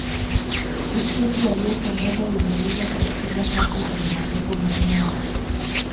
Uskoti waliwashangaza uingereza kwa kupiga pasi zenye malengo baina yao